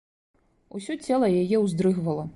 Усё цела яе ўздрыгвала.